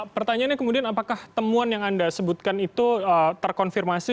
pertanyaannya kemudian apakah temuan yang anda sebutkan itu terkonfirmasi